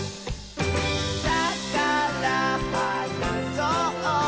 「だからはなそう！